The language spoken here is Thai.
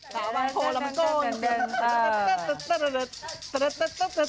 สาวบังโภลามันโก้